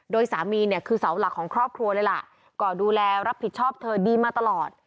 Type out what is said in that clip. โดยสามีเนี่ยคือเสาหลักของครอบครัวเลยล่ะก็ดูแลรับผิดชอบเธอดีมาตลอด